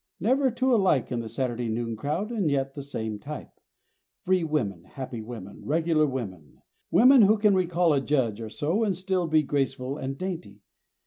Never two alike in the Saturday noon crowd and yet the same type. Free women, happy women, regular women. Women who can recall a judge or so and still be graceful and dainty.